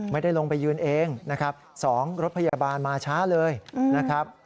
ไม่ได้ลงไปยืนเองนะครับ๒รถพยาบาลมาช้าเลยนะครับ